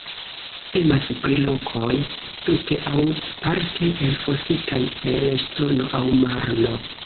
Temas pri lokoj tute aŭ parte elfositaj el ŝtono aŭ marno.